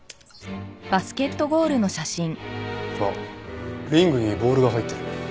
あっリングにボールが入ってる。